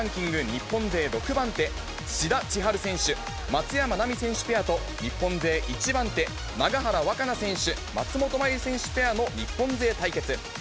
日本勢６番手、志田千陽選手、松山奈未選手ペアと、日本勢１番手、永原和可那選手、松本麻佑選手ペアの日本勢対決。